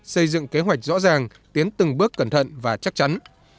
xây dựng kế hoạch rõ ràng tiến từng bước cẩn thận và chắc chắn